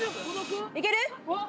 いける？